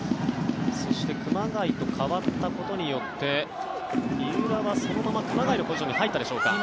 そして熊谷と代わったことによって三浦はそのまま熊谷のポジションに入ったでしょうか。